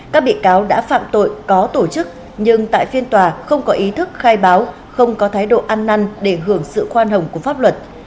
các bị cáo đã phạm tội có tổ chức nhưng tại phiên tòa không có ý thức khai báo không có thái độ ăn năn để hưởng sự khoan hồng của pháp luật